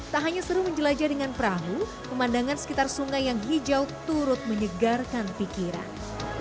tak hanya seru menjelajah dengan perahu pemandangan sekitar sungai yang hijau turut menyegarkan pikiran